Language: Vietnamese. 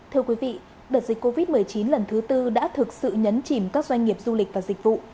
thưa quý vị đợt dịch covid một mươi chín lần thứ tư đã thực sự nhấn chìm các doanh nghiệp du lịch và dịch vụ